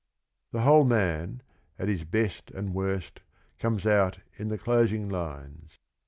The whole man, at his best and worst, comes out in the closing lines.